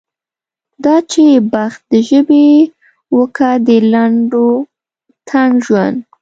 دا چې بخت د ژبې و که د لنډ و تنګ ژوند.